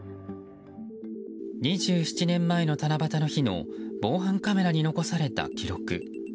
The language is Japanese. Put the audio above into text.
２７年前の七夕の日の防犯カメラに残された記録。